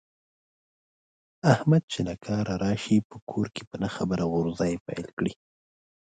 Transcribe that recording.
احمد چې له کاره راشي، په کور کې په نه خبره غورزی پیل کړي.